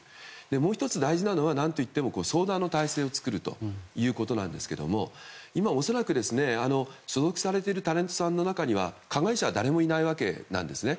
もう１つ大事なのは相談の体制を作るということですが今、恐らく所属されているタレントさんの中には加害者は誰もいないわけなんですね。